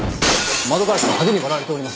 窓ガラスが派手に割られております。